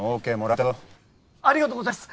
ありがとうございます。